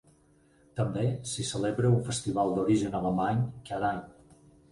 També s'hi celebra un festival d'origen alemany cada any.